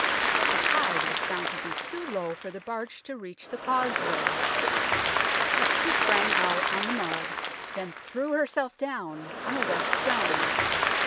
The tide was found to be too low for the barge to reach the causeway. She sprang out on the mud, then threw herself down on a wet stone.